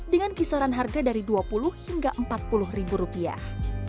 dengan kisaran harga dari dua puluh hingga empat puluh ribu rupiah